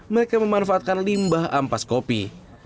mereka memanfaatkan limbah ampas kopi